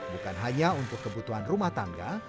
bukan hanya untuk kebutuhan rumah tangga